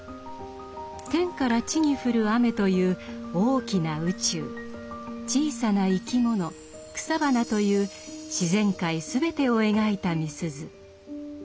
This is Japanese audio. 天から地にふる雨という大きな宇宙小さな生き物草花という自然界全てを描いたみすゞ。